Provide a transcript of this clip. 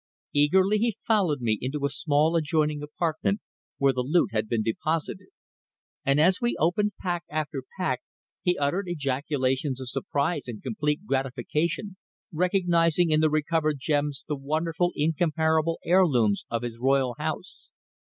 Eagerly he followed me into a small adjoining apartment where the loot had been deposited, and as we opened pack after pack he uttered ejaculations of surprise and complete gratification, recognizing in the recovered gems the wonderful incomparable heirlooms of his royal house.